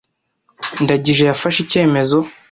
Ndagije yafashe icyemezo.